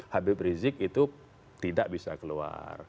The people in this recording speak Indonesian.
habib rizik itu tidak bisa keluar